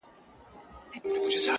وركه يې كړه.